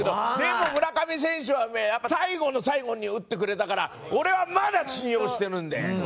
でも村上選手はね最後の最後に打ってくれたから俺はまだ信用してるんで。